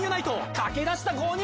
駆け出した５人！